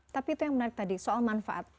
tapi itu yang menarik tadi soal manfaat